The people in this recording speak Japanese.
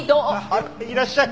あっいらっしゃい！